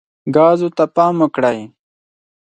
ګازو ته پام وکړئ.